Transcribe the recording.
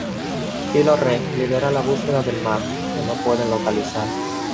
Kylo Ren lidera la búsqueda del mapa, que no pueden localizar.